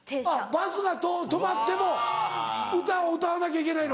バスが止まっても歌を歌わなきゃいけないの？